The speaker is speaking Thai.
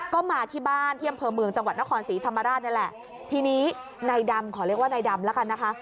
ก็มาที่บ้านที่อำเภอเมืองจังหวัดนครศรีธรรมราชนี่แหละทีนี้นายดำขอเรียกว่านายดำแล้วกันนะคะ